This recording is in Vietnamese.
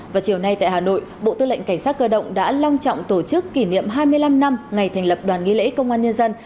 và chiều nay tại hà nội bộ tư lệnh cảnh sát cơ động đã long trọng tổ chức kỷ niệm hai mươi năm năm ngày thành lập đoàn nghi lễ công an nhân dân